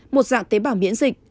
một dạng tế bảo miễn dịch